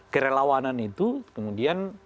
kerelawanan itu kemudian